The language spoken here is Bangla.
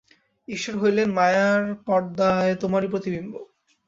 ঈশ্বর হইলেন মায়ার পর্দায় তোমারই প্রতিবিম্ব।